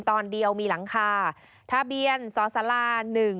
ตอนเดียวมีหลังคาทะเบียนสสลา๑๒